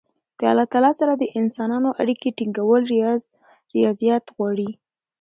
د الله تعالی سره د انسانانو اړیکي ټینګول رياضت غواړي.